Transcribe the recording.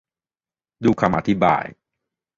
ดูคำอธิบาย